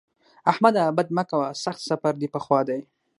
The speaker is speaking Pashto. احمده! بد مه کوه؛ سخت سفر دې په خوا دی.